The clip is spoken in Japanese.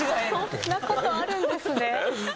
そんなことあるんですね。